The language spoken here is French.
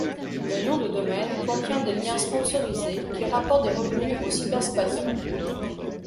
Le nom de domaine contient des liens sponsorisés qui rapportent des revenus au cybersquatteur.